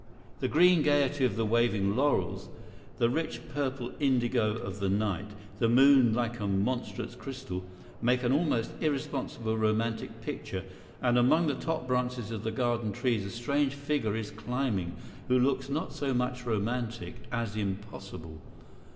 The green gaiety of the waving laurels, the rich purple indigo of the night, the moon like a monstrous crystal, make an almost irresponsible romantic picture; and among the top branches of the garden trees a strange figure is climbing, who looks not so much romantic as impossible.